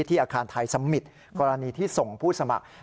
อาคารไทยสมิตรกรณีที่ส่งผู้สมัคร